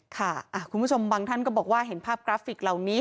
คุณผู้ชมบางท่านก็บอกว่าเห็นภาพกราฟิกเหล่านี้